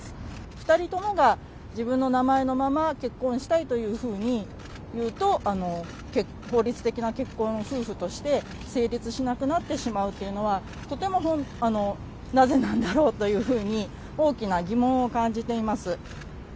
２人ともが自分の名前のまま、結婚したいというふうにいうと、法律的な結婚、夫婦として成立しなくなってしまうというのは、とてもなぜなんだろうというふうに、大きな疑問を感じています。